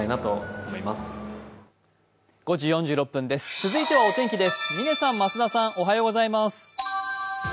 続いてはお天気です。